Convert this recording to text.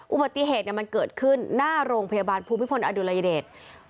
อุบัติเหตุมันเกิดขึ้นหน้าโรงพยาบาลภูมิพลอดุลยเดช